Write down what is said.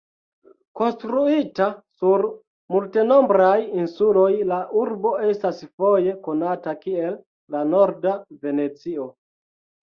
Konstruita sur multenombraj insuloj, la urbo estas foje konata kiel "la Norda Venecio".